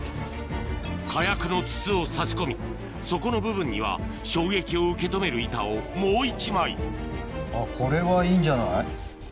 火薬の筒を差し込み底の部分には衝撃を受け止める板をもう１枚これはいいんじゃない。